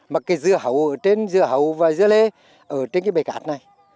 mà cây dưa hậu ở trên dưa hậu và dưa lê ở trên cây bạc cát này